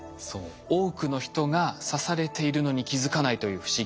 多くの人が刺されているのに気付かないという不思議。